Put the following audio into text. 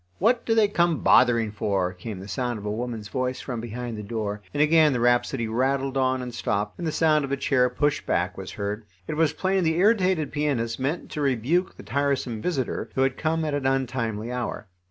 What do they come bothering for?" came the sound of a woman's voice from behind the door, and again the rhapsody rattled on and stopped, and the sound of a chair pushed back was heard. It was plain the irritated pianist meant to rebuke the tiresome visitor, who had come at an untimely hour.